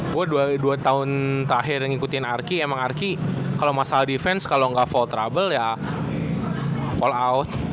gue dua tahun terakhir ngikutin arki emang arki kalau masalah defense kalau nggak fall trouble ya fall out